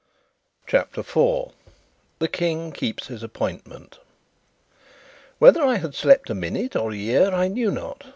CHAPTER 4 The King Keeps His Appointment Whether I had slept a minute or a year I knew not.